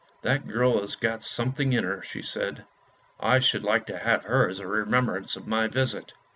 " That girl has got something in her," she said; " I should like to have her as a remembrance of my visit.